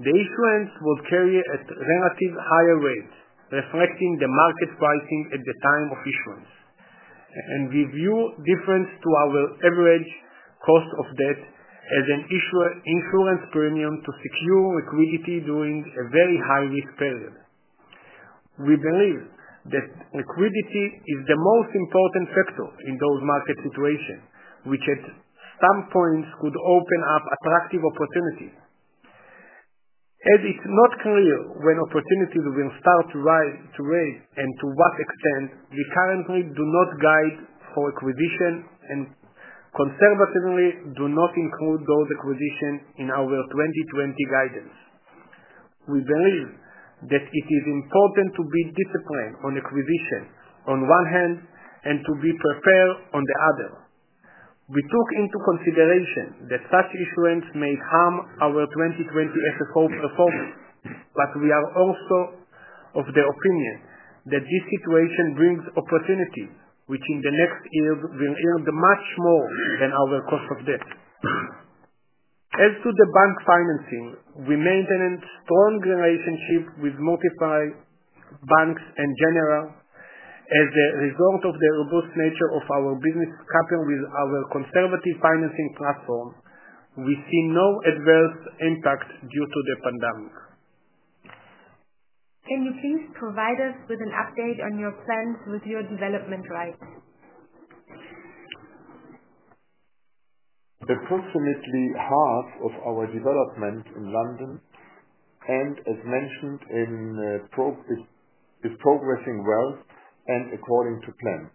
The issuance was carried at relative higher rates, reflecting the market pricing at the time of issuance. We view difference to our average cost of debt as an insurance premium to secure liquidity during a very high-risk period. We believe that liquidity is the most important factor in those market situations, which at some point could open up attractive opportunities. As it's not clear when opportunities will start to raise, and to what extent, we currently do not guide for acquisition and conservatively do not include those acquisitions in our 2020 guidance. We believe that it is important to be disciplined on acquisition on one hand, and to be prepared on the other. We took into consideration that such issuance may harm our 2020 FFO performance. We are also of the opinion that this situation brings opportunities, which in the next years will yield much more than our cost of debt. As to the bank financing, we maintain a strong relationship with multiple banks in general. As a result of the robust nature of our business, coupled with our conservative financing platform, we see no adverse impact due to the pandemic. Can you please provide us with an update on your plans with your development rights? Approximately half of our development in London, as mentioned, is progressing well and according to plan.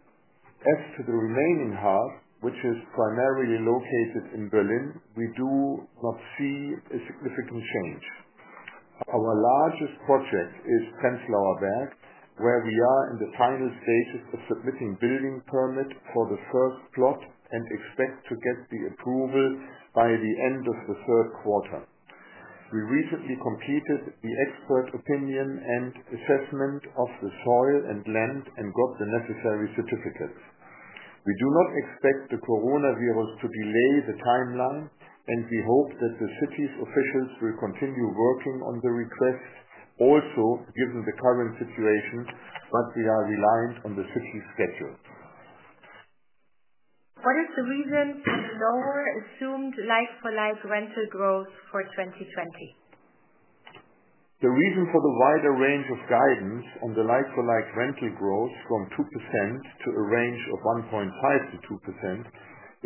As to the remaining half, which is primarily located in Berlin, we do not see a significant change. Our largest project is Prenzlauer Berg, where we are in the final stages of submitting building permit for the first plot and expect to get the approval by the end of the third quarter. We recently completed the expert opinion and assessment of the soil and land and got the necessary certificates. We do not expect the coronavirus to delay the timeline. We hope that the city's officials will continue working on the request also given the current situation. We are reliant on the city's schedule. What is the reason for the lower assumed like-for-like rental growth for 2020? The reason for the wider range of guidance on the like-for-like rental growth from 2% to a range of 1.5%-2%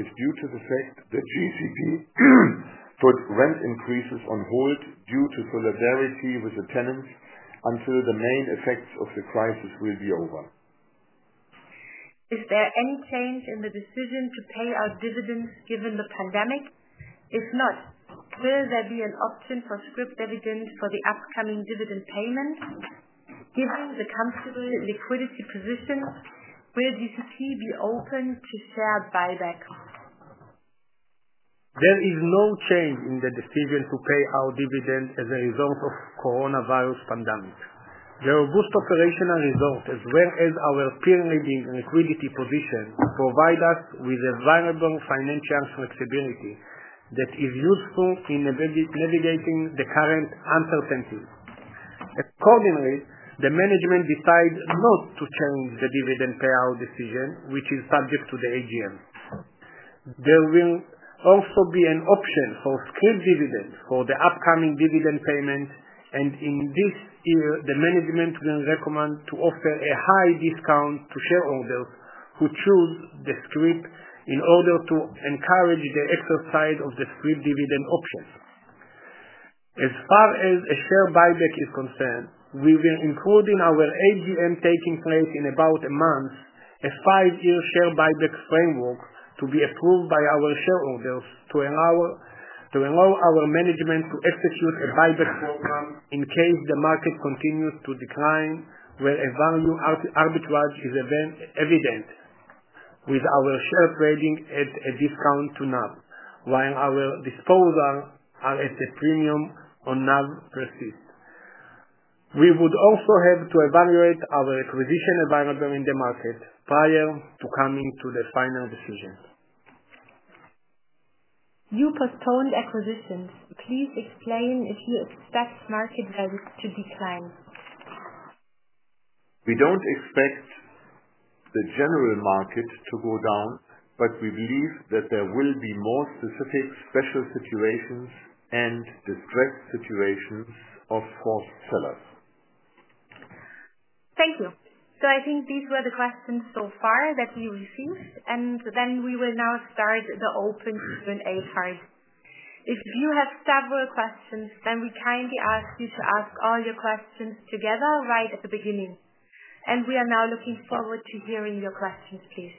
is due to the fact that GCP put rent increases on hold due to solidarity with the tenants until the main effects of the crisis will be over. Is there any change in the decision to pay out dividends given the pandemic? If not, will there be an option for script dividends for the upcoming dividend payment? Given the comfortable liquidity position, will GCP be open to share buybacks? There is no change in the decision to pay our dividend as a result of coronavirus pandemic. The robust operational result, as well as our peer-leading liquidity position, provide us with a viable financial flexibility that is useful in navigating the current uncertainty. Accordingly, the management decides not to change the dividend payout decision, which is subject to the AGM. In this year, the management will recommend to offer a high discount to shareholders who choose the script in order to encourage the exercise of the script dividend option. As far as a share buyback is concerned, we will include in our AGM taking place in about a month, a five-year share buyback framework to be approved by our shareholders to allow our management to execute a buyback program in case the market continues to decline, where a value arbitrage is evident, with our share trading at a discount to NAV, while our disposals are at a premium on NAV persist. We would also have to evaluate our acquisition environment in the market prior to coming to the final decision. You postponed acquisitions. Please explain if you expect market values to decline. We don't expect the general market to go down, but we believe that there will be more specific special situations and distressed situations of forced sellers. Thank you. I think these were the questions so far that we received, and then we will now start the open Q&A part. If you have several questions, then we kindly ask you to ask all your questions together right at the beginning. We are now looking forward to hearing your questions, please.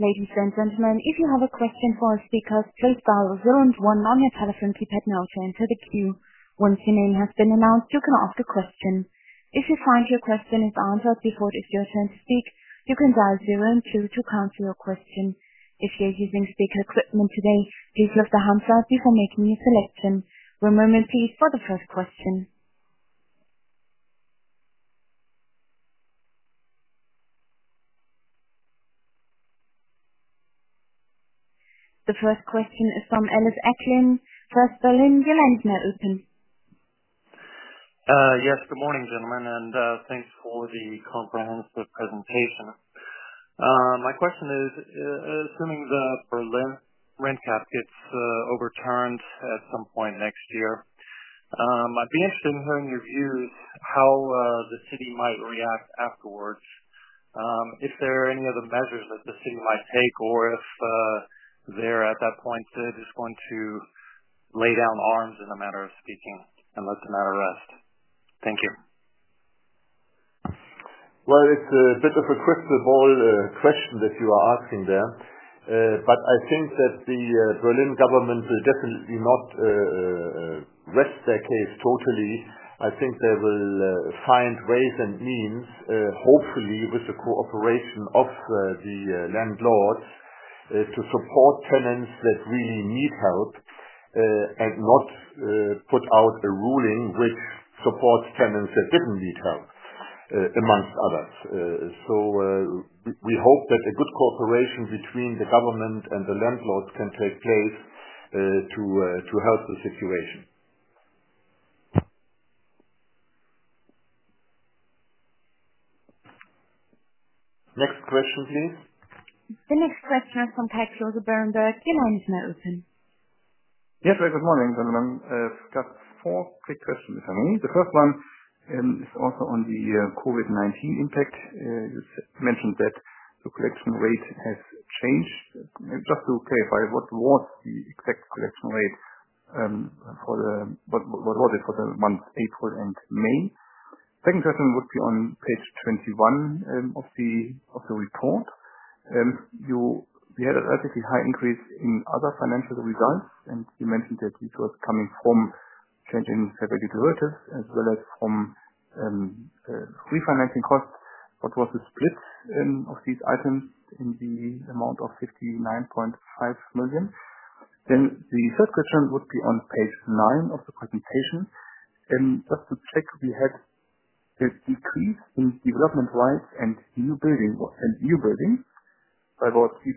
Ladies and gentlemen, if you have a question for our speakers, please dial zero and one on your telephone keypad now to enter the queue. Once your name has been announced, you can ask a question. If you find your question is answered before it's your turn to speak, you can dial zero and two to cancel your question. If you are using speaker equipment today, please lift the handset before making your selection. One moment please for the first question. The first question is from Ellis Acklin, First Berlin. Your line is now open. Good morning, gentlemen. Thanks for the comprehensive presentation. My question is, assuming the Berlin rent cap gets overturned at some point next year, I would be interested in hearing your views how the city might react afterwards. If there are any other measures that the city might take or if, there at that point, they are just going to lay down arms in a matter of speaking and let the matter rest. Thank you. Well, it is a bit of a crystal ball question that you are asking there. I think that the Berlin government will definitely not rest their case totally. I think they will find ways and means, hopefully with the cooperation of the landlords, to support tenants that really need help, and not put out a ruling which supports tenants that did not need help, amongst others. We hope that a good cooperation between the government and the landlords can take place to help the situation. Next question, please. The next question is from Kai Josef Bernberg. Your line is now open. Yes. Good morning, gentlemen. Just four quick questions. The first one is also on the COVID-19 impact. You mentioned that the collection rate has changed. Just to clarify, what was the exact collection rate for the, what, was it for the months April and May? Second question would be on page 21 of the report. You had a relatively high increase in other financial results, and you mentioned that it was coming from change in as well as from refinancing costs. What was the split of these items in the amount of 59.5 million? The third question would be on page nine of the presentation. Just to check, we had a decrease in development rights and new building by about 3%,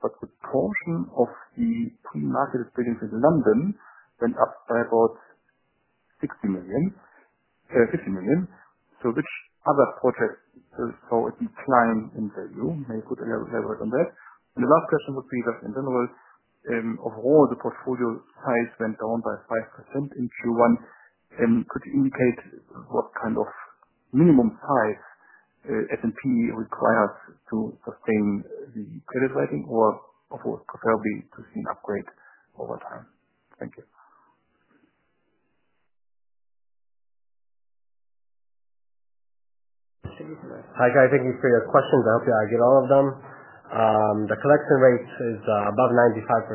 but the portion of the pre-marketed buildings in London went up by about 60 million, 50 million. Which other projects saw a decline in value? Maybe you could elaborate on that. The last question would be that in general, overall, the portfolio size went down by 5% in Q1. Could you indicate what kind of minimum size S&P requires to sustain the credit rating or, of course, preferably to see an upgrade over time? Thank you. Hi, guys. Thank you for your questions. I hope I get all of them. The collection rate is above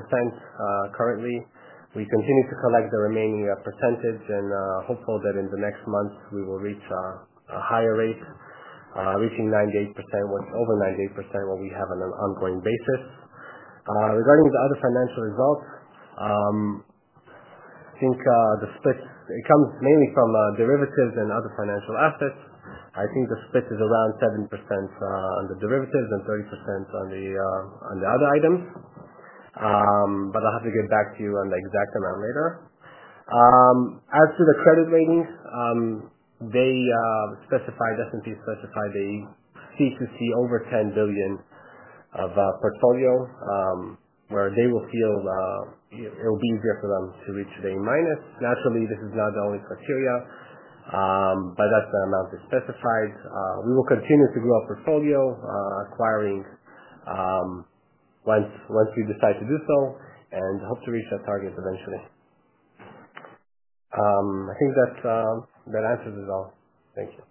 95% currently. We continue to collect the remaining percentage and are hopeful that in the next months we will reach a higher rate, reaching 98%. What's over 98% will be have on an ongoing basis. Regarding the other financial results, I think the split comes mainly from derivatives and other financial assets. I think the split is around 7% on the derivatives and 30% on the other items. I'll have to get back to you on the exact amount later. As to the credit ratings, S&P specified a C2C over 10 billion of portfolio, where they will feel it'll be easier for them to reach A minus. Naturally, this is not the only criteria, but that's the amount they specified. We will continue to grow our portfolio, acquiring once we decide to do so, and hope to reach that target eventually. I think that answers it all. Thank you.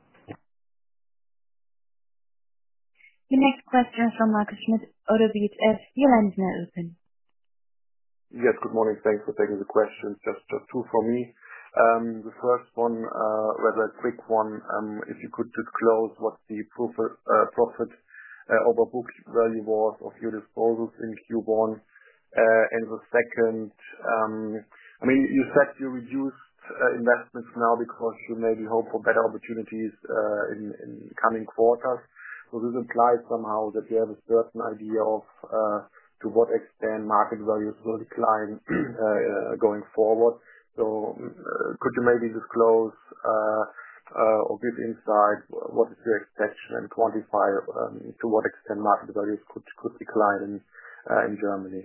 The next question is from Markus Schmitt, ODDO BHF. Your line is now open. Yes, good morning. Thanks for taking the questions. Just two from me. The first one, a rather quick one. If you could just disclose what the profit over book value was of your disposals in Q1. The second, you said you reduced investments now because you maybe hope for better opportunities in the coming quarters. This implies somehow that you have a certain idea of to what extent market values will decline going forward. Could you maybe disclose or give insight, what is your expectation and quantify to what extent market values could decline in Germany?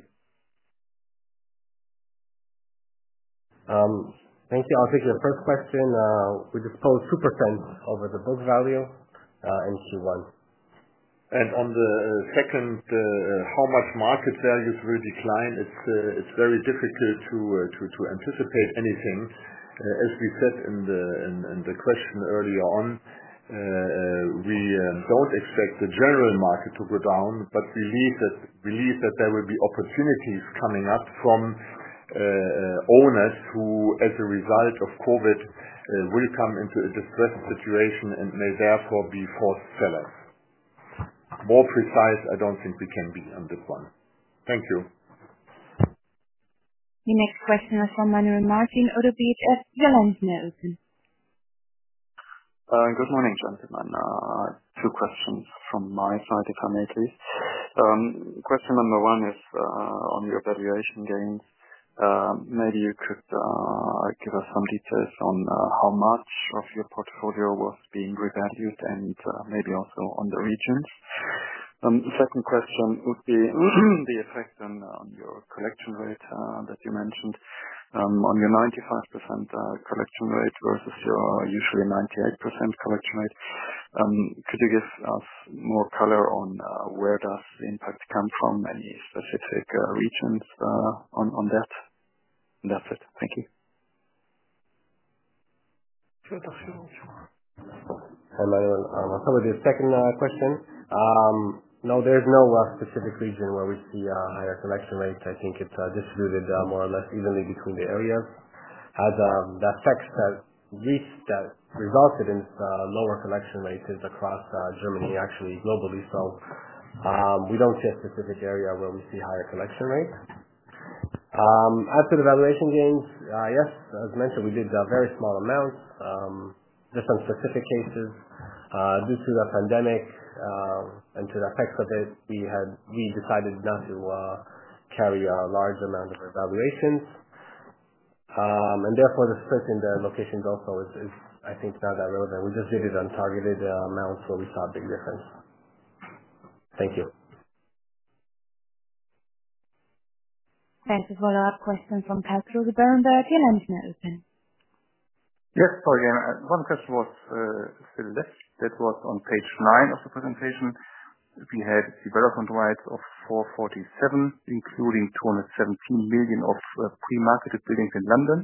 Thank you. I'll take your first question. We disposed 2% over the book value in Q1. On the second, how much market values will decline, it's very difficult to anticipate anything. As we said in the question earlier on, we don't expect the general market to go down, but believe that there will be opportunities coming up from owners who, as a result of COVID, will come into a distressed situation and may therefore be forced sellers. More precise, I don't think we can be on this one. Thank you. The next question is from Manuel Martin, Oddo BHF. Your line is now open. Good morning, gentlemen. Two questions from my side, if I may please. Question number one is on your valuation gains. Maybe you could give us some details on how much of your portfolio was being revalued, and maybe also on the regions. Second question would be the effect on your collection rate that you mentioned on your 95% collection rate versus your usual 98% collection rate. Could you give us more color on where does the impact come from? Any specific regions on that? That's it. Thank you. Hi, Manuel. I'll start with your second question. No, there's no specific region where we see a higher collection rate. I think it's distributed more or less evenly between the areas. As the effects have reached, that resulted in lower collection rates is across Germany, actually globally. We don't see a specific area where we see higher collection rates. As to the valuation gains, yes, as mentioned, we did very small amounts. Just on specific cases due to the pandemic and to the effects of it, we decided not to carry a large amount of revaluations. Therefore, the split in the locations also is, I think, not that relevant. We just did it on targeted amounts, so we saw a big difference. Thank you. Next follow-up question from Kai Josef Bernberg. Your line is now open. Yes. Sorry. One question was still left. That was on page nine of the presentation. We had development rights of 447, including 217 million of pre-marketed buildings in London,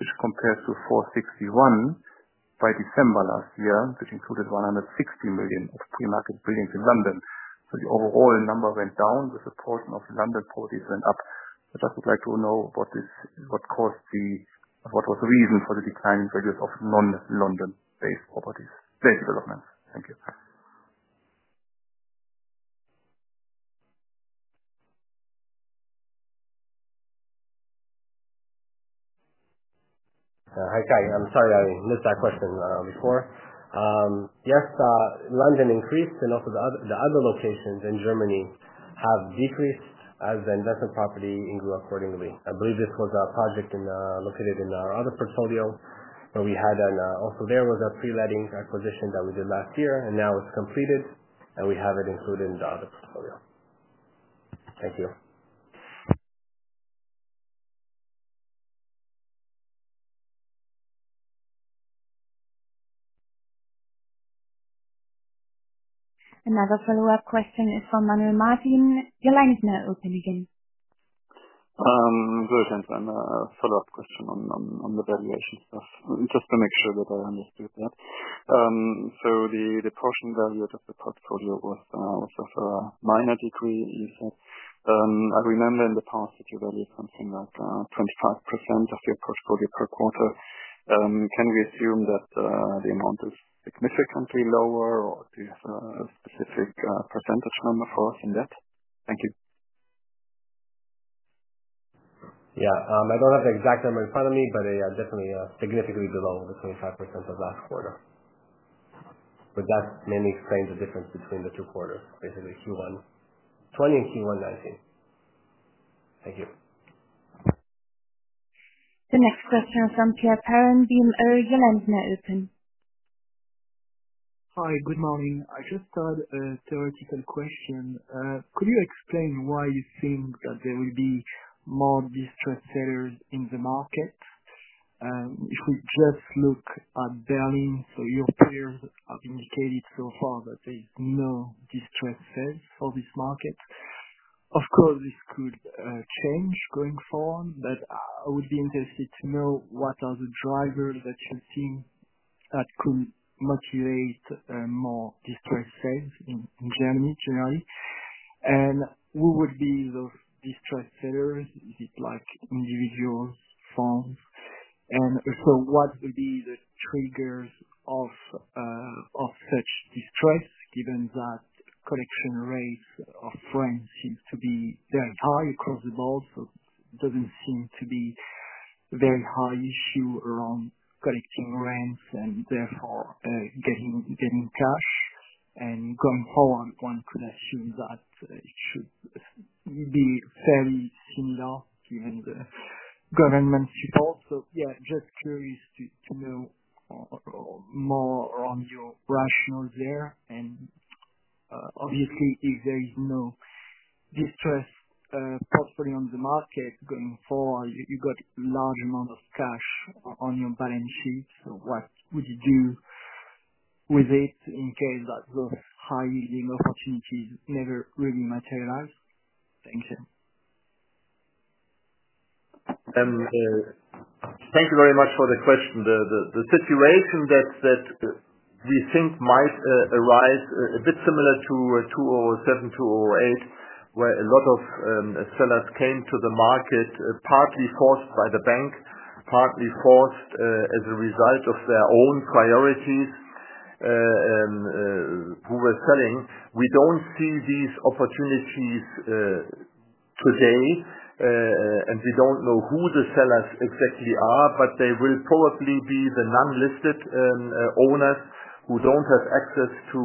which compared to 461 by December last year, which included 160 million of pre-market buildings in London. The overall number went down. The proportion of London properties went up. I just would like to know what was the reason for the decline in figures of non-London-based properties, based development. Thank you. Hi, Patrick. I'm sorry I missed that question before. Yes, London increased and also the other locations in Germany have decreased as the investment property grew accordingly. I believe this was a project located in our other portfolio. There was a pre-letting acquisition that we did last year, and now it's completed, and we have it included in the other portfolio. Thank you. Another follow-up question is from Manuel Martin. Your line is now open again. Good, gentlemen. A follow-up question on the valuation stuff, just to make sure that I understood that. The portion valued of the portfolio was of a minor degree, you said. I remember in the past that you valued something like 25% of your portfolio per quarter. Can we assume that the amount is significantly lower, or do you have a specific percentage number for us in that? Thank you. Yeah. I don't have the exact number in front of me, but definitely significantly below the 25% of last quarter. That mainly explains the difference between the two quarters, basically Q1 2020 and Q1 2019. Thank you. The next question is from Pierre Perrin, Kepler Cheuvreux, line open. Hi, good morning. I just had a theoretical question. Could you explain why you think that there will be more distressed sellers in the market? If we just look at Berlin, your peers have indicated so far that there is no distressed sales for this market. Of course, this could change going forward, but I would be interested to know what are the drivers that you think that could motivate more distressed sales in Germany generally. Who would be those distressed sellers, is it individual firms? What will be the triggers of such distress, given that collection rates of rent seems to be very high across the board, so it doesn't seem to be very high issue around collecting rents and therefore getting cash. Going forward, one could assume that it should be fairly similar given the government support. Just curious to know more around your rationale there. Obviously, if there is no distressed property on the market going forward, you got large amount of cash on your balance sheet. What would you do with it in case that the high-yielding opportunities never really materialize? Thank you. Thank you very much for the question. The situation that we think might arise a bit similar to 2007, 2008, where a lot of sellers came to the market, partly forced by the bank, partly forced as a result of their own priorities, who were selling. We don't see these opportunities today. We don't know who the sellers exactly are, but they will probably be the non-listed owners who don't have access to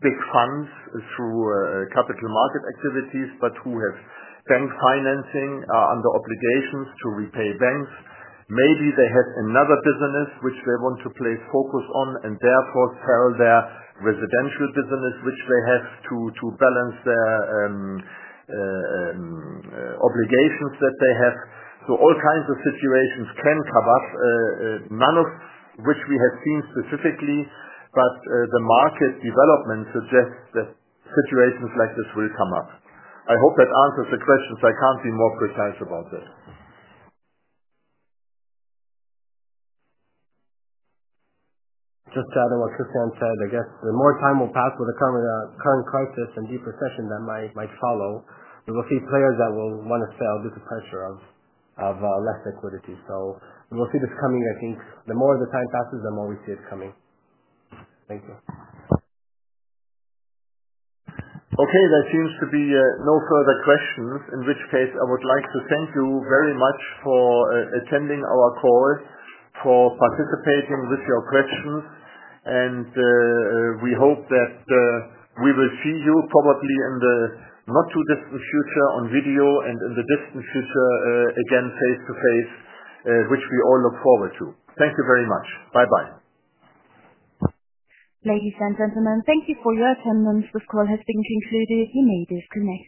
big funds through capital market activities, but who have bank financing under obligations to repay banks. Maybe they have another business which they want to place focus on and therefore sell their residential business, which they have to balance their obligations that they have. All kinds of situations can come up, none of which we have seen specifically, but the market development suggests that situations like this will come up. I hope that answers the question, so I can't be more precise about this. Just to add on what Christian said, I guess the more time will pass with the current crisis and deep recession that might follow, we will see players that will want to sell due to pressure of less liquidity. We will see this coming. I think the more the time passes, the more we see it coming. Thank you. Okay, there seems to be no further questions, in which case I would like to thank you very much for attending our call, for participating with your questions. We hope that we will see you probably in the not too distant future on video and in the distant future, again, face-to-face, which we all look forward to. Thank you very much. Bye-bye. Ladies and gentlemen, thank you for your attendance. This call has been concluded. You may disconnect.